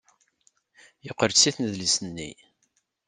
Yeqqel-d seg tnedlist-nni.